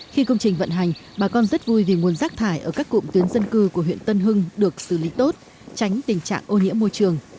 khi công trình vận hành bà con rất vui vì nguồn rác thải ở các cụm tuyến dân cư của huyện tân hưng được xử lý tốt tránh tình trạng ô nhiễm môi trường